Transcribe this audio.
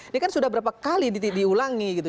ini kan sudah berapa kali diulangi gitu